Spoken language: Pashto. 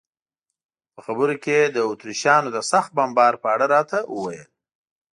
په خبرو کې یې د اتریشیانو د سخت بمبار په اړه راته وویل.